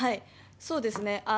そうですね。